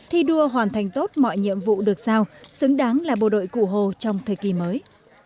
thi đua hoàn thành tốt mọi nhiệm vụ được sao xứng đáng là bộ đội cụ hồ trong thời kỳ mới